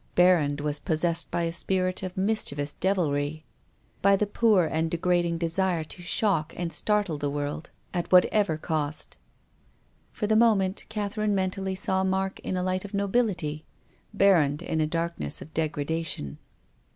Berrand was possessed by a spirit of mischievous devilry, by the poor and degrading desire to shock and startle the world "WILLIAM FOSTER." 159 at whatever cost. For the moment Catherine mentally saw Mark in a light of nobility ; Berrand in a darkness of degradation.